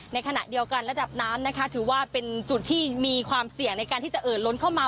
ในขณะเดียวกันระดับน้ำนะคะถือว่าเป็นจุดที่มีความเสี่ยงในการที่จะเอิดล้นเข้ามา